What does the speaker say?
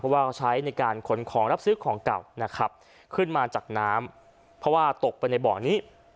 เพราะว่าเขาใช้ในการขนของรับซื้อของเก่านะครับขึ้นมาจากน้ำเพราะว่าตกไปในบ่อนี้